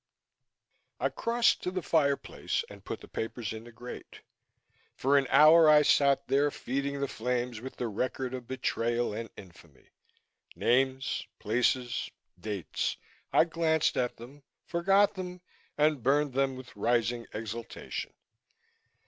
I crossed to the fireplace and put the papers in the grate. For an hour I sat there feeding the flames with the record of betrayal and infamy. Names, places, dates I glanced at them, forgot them and burned them with rising exaltation.